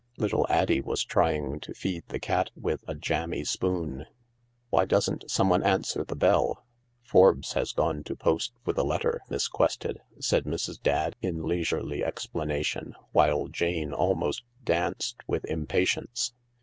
Little Addie was trying to feed the cat with a jammy spoon. " Why doesn't someone answer the bell ?"" Forbes has gone to post with a letter, Miss Quested," said Mrs. Dadd in leisurely explanation, while Jane almost danced with impatience.